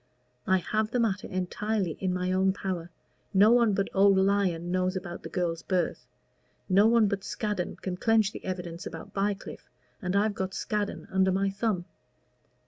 I have the matter entirely in my own power. No one but old Lyon knows about the girl's birth. No one but Scaddon can clench the evidence about Bycliffe, and I've got Scaddon under my thumb.